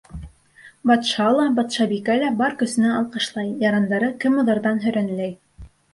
Батша ла, батшабикә лә бар көсөнә алҡышлай, ярандары кемуҙарҙан һөрәнләй: